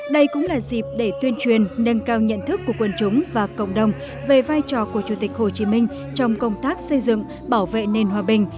đây cũng là dịp để tuyên truyền nâng cao nhận thức của quân chúng và cộng đồng về vai trò của chủ tịch hồ chí minh trong công tác xây dựng bảo vệ nền hòa bình